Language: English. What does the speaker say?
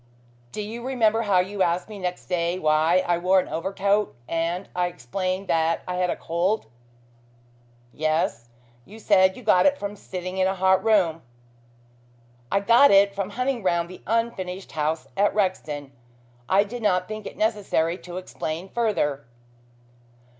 Do you remember how you asked me next day why I wore an overcoat and I explained that I had a cold " "Yes. You said you got it from sitting in a hot room." "I got it from hunting round the unfinished house at Rexton. I did not think it necessary to explain further."